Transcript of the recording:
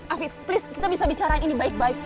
afif please kita bisa bicarain ini baik baik